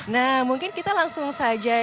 nah mungkin kita langsung saja